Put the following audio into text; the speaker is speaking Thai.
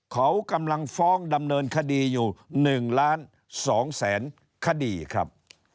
เขากำลังฟ้องดำเนินคดีอยู่๑ล้าน๒แสนคดีครับ